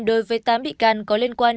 đối với tám bị can có liên quan